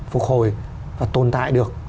phục hồi và tồn tại được